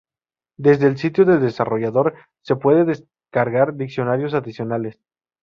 Desde el sitio del desarrollador se puede descargar diccionarios adicionales.